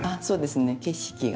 そうですね景色が。